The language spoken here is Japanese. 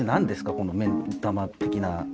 この目ん玉的なの。